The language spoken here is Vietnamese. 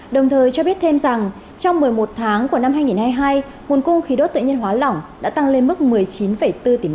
đồng thời cho biết thêm rằng trong một mươi một tháng của năm hai nghìn hai mươi hai nguồn cung khí đốt tự nhiên hóa lỏng đã tăng lên mức một mươi chín bốn tỷ usd